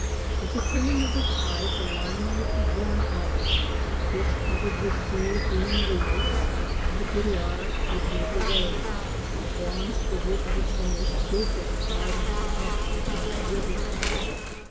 With the turning of the tide the line would be drawn up, the fish covered with cool green leaves and the curiara would move away, the bronze figure of its owner skilfully guiding it up the winding river.